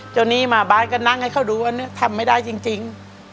หนี้มาบ้านก็นั่งให้เขาดูว่าทำไม่ได้จริง